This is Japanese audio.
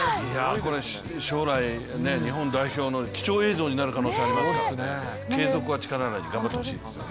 これ、将来ね日本代表の貴重映像になる可能性がありますから継続は力なり頑張ってほしいですね。